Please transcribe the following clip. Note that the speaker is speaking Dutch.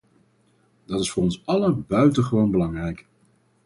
Dat is voor ons allen buitengewoon belangrijk.